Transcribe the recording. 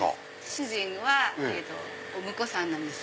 主人はお婿さんなんです。